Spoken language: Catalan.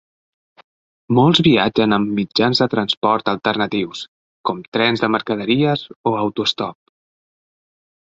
Molts viatgen amb mitjans de transport alternatius, com trens de mercaderies o autostop.